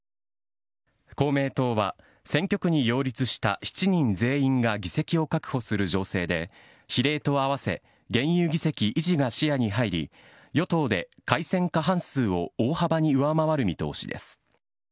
公明党は選挙区に擁立した７人全員が議席を確保する情勢で、比例と合わせ現有議席維持が視野に入り、与党で改選過半数を大幅に上回る見通しです。